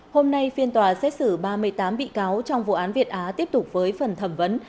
hôm nay phiên tòa xét xử ba mươi tám bị cáo trong vụ án việt á tiếp tục với phần thẩm vấn